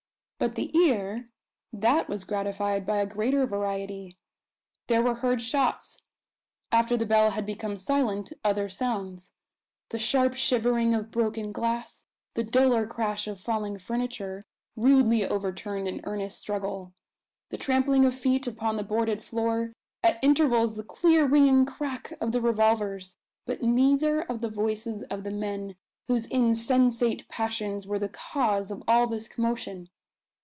But the ear that was gratified by a greater variety. There were heard shots after the bell had become silent, other sounds: the sharp shivering of broken glass, the duller crash of falling furniture, rudely overturned in earnest struggle the trampling of feet upon the boarded floor at intervals the clear ringing crack of the revolvers; but neither of the voices of the men whose insensate passions were the cause of all this commotion!